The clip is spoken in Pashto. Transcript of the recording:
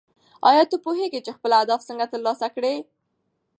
ایا ته پوهېږې چې خپل اهداف څنګه ترلاسه کړې؟